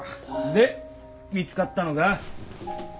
で見つかったのか？